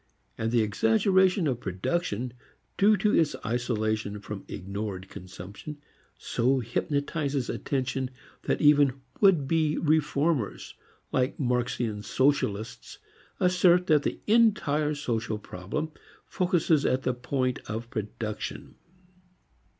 And the exaggeration of production due to its isolation from ignored consumption so hypnotizes attention that even would be reformers, like Marxian socialists, assert that the entire social problem focuses at the point of production.